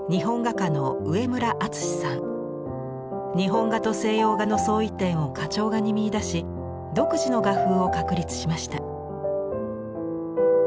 日本画と西洋画の相違点を花鳥画に見いだし独自の画風を確立しました。